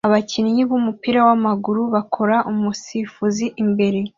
Abakinnyi bumupira wamaguru bakora umusifuzi imbere